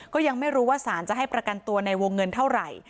ก็ยังไม่รู้ว่าสารจะให้ประกันตัวในวงเงินเท่าไหร่